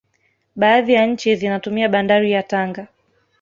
baadhi ya nchi zinatumia bandari ya tanga